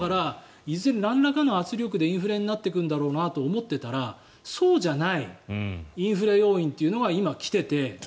いずれなんらかの圧力でインフレになっていくんだろうなと思っていたら、そうじゃないインフレ要因というのが今、来てて。